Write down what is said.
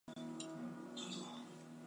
三边分区党政军退到定边南山。